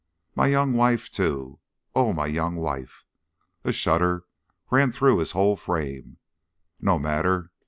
My young wife, too, oh, my young wife!" a shudder ran through his whole frame. "No matter!